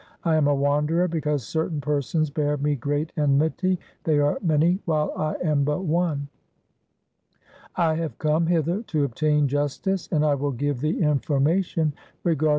I am a wanderer because certain persons bear me great enmity. They are many while I am but one. I have come hither to obtain justice, and I will give thee information regarding 1 This word means a diviner by numbers.